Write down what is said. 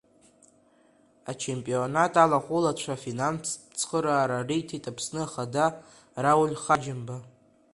Ачемпионат алахәылацәа афинанстә цхыраара риҭеит Аԥсны Ахада Рауль Ҳаџьымба.